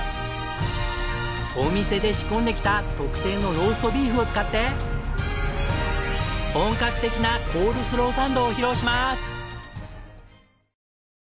お店で仕込んできた特製のローストビーフを使って本格的なコールスローサンドを披露します！